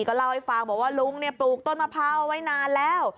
ก็เล่าให้ฟังบอกว่าลุงปลูกต้นมะพร้าวเอาไว้นานแล้ว